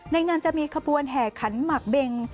ในงานจะมีขบวนแห่ขันหมักเบง